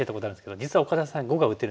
実は岡田さん碁が打てるんです。